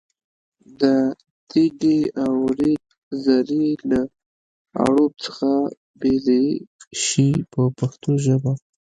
د تېږې او ریګ ذرې له اړوب څخه بېلې شي په پښتو ژبه.